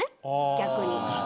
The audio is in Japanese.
逆に。